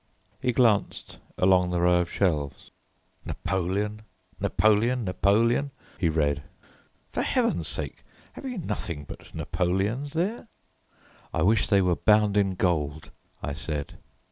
He glanced along the row of shelves. "Napoleon, Napoleon, Napoleon!" he read. "For heaven's sake, have you nothing but Napoleons there?" "I wish they were bound in gold," I said.